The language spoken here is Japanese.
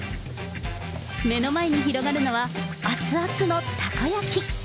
目の前に広がるのは、熱々のたこ焼き。